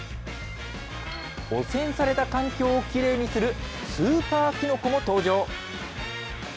汚染された環境をきれいにするスーパーキノコも登場。